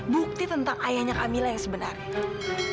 bukti tentang ayahnya camilla yang sebenarnya